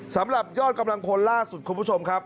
สำหรับยอดกำลังพลล่าสุดคุณผู้ชมครับ